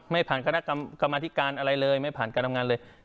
ไม่ผ่านคณะกรรมธิการอะไรเลยไม่ผ่านการทำงานเลย